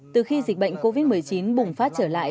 từ khi dịch bệnh covid một mươi chín bùng phát trở lại